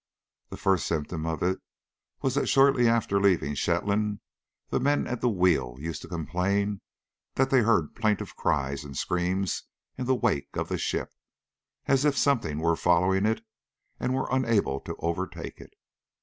The first symptom of it was that shortly after leaving Shetland the men at the wheel used to complain that they heard plaintive cries and screams in the wake of the ship, as if something were following it and were unable to overtake it.